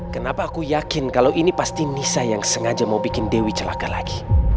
kenapa aku yakin kalau ini pasti nisa yang sengaja mau bikin dewi celaka lagi